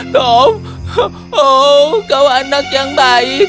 tom kau anak yang baik